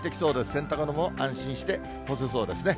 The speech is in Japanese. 洗濯物安心して干せそうですね。